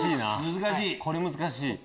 これ難しい。